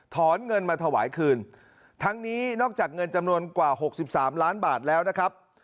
เงินมาถวายคืนทั้งนี้นอกจากเงินจำนวนกว่าหกสิบสามล้านบาทแล้วนะครับ